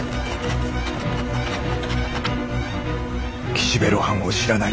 「岸辺露伴をしらない。